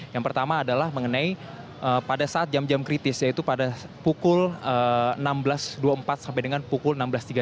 yang pertama adalah mengenai pada saat jam jam kritis yaitu pada pukul enam belas dua puluh empat sampai dengan pukul enam belas tiga puluh